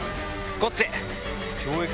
こっちへ。